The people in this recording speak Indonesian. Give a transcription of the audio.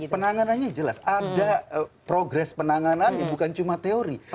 penanganannya jelas ada progres penanganannya bukan cuma teori